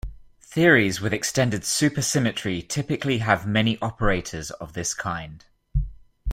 Theories with extended supersymmetry typically have many operators of this kind.